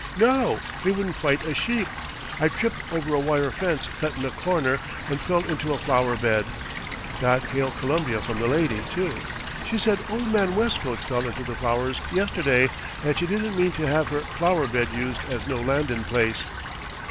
No, he wouldn't fight a sheep. I tripped over a wire fence cuttin' a corner an' fell into a flower bed. Got Hail Columbia from the lady, too. She said old man Westcote fell into the flowers yesterday, and she didn't mean to have her flower bed used as no landin' place.